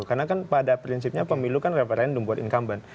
karena kan pada prinsipnya pemilu kan referendum buat income